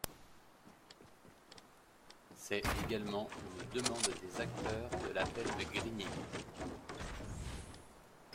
C’est également une demande des acteurs de l’appel de Grigny.